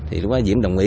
thì diễm đồng ý